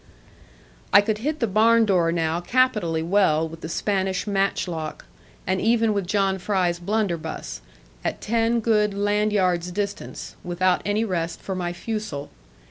I could hit the barn door now capitally well with the Spanish match lock, and even with John Fry's blunderbuss, at ten good land yards distance, without any rest for my fusil.